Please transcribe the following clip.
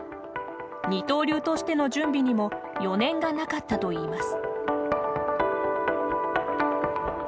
二刀流としての準備にも余念がなかったといいます。